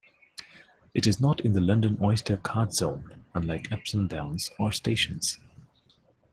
It is not in the London Oyster card zone unlike Epsom Downs or stations.